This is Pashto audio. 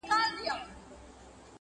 او د شپې د اتو بجو مهم خبرونه به ده ويل.